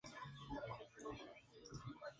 Tiene un hermanastro, Lewis Hudson.